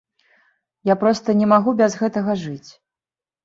Я проста не магу без гэтага жыць.